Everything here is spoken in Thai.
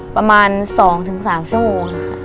ประมาณ๒๓ชั่วโมงค่ะ